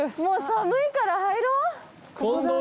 もう寒いから入ろう。